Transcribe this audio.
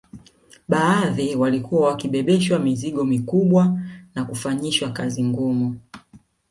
Baadhi walikuwa wakibebeshwa mizigo mikubwa na kufanyishwa kazi ngumu